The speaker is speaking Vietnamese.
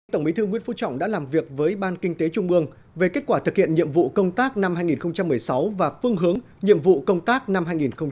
tổng bí thư nguyễn phú trọng đã làm việc với ban kinh tế trung ương về kết quả thực hiện nhiệm vụ công tác năm hai nghìn một mươi sáu và phương hướng nhiệm vụ công tác năm hai nghìn hai mươi